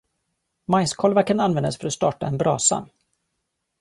Majskolvar kan användas för att starta en brasa.